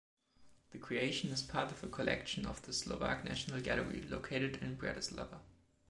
The creation is part of the collection of the Slovak National Gallery located in Bratislava.